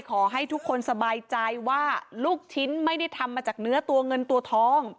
ขอให้ทุกคนสบายใจว่าลูกชิ้นไม่ได้ทำมาจากเนื้อตัวเงินตัวทอง